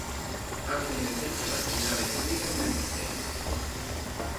Acto en defensa da sanidade pública en Compostela.